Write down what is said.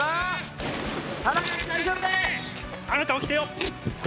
あなた起きてよ！